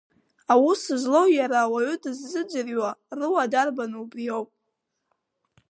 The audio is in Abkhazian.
Аус злоу иара ауаҩы дыззыӡырҩуа руа дарбану убриоуп.